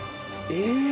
え！